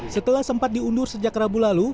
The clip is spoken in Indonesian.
setelah sempat diundur sejak rabu lalu